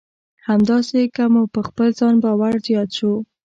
همداسې که مو په خپل ځان باور زیات شو.